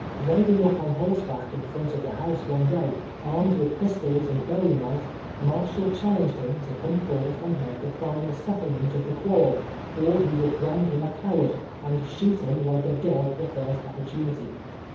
Riding up on horseback in front of the house one day, armed with pistols and Lowie knife, Marshall challenged him to come forth and make a final settlement of the quarrel, or he would brand him as a coward, and shoot him like a dog the first opportunity.